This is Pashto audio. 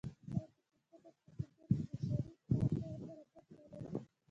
آیا د پښتنو په کلتور کې د شریک کار کول برکت نلري؟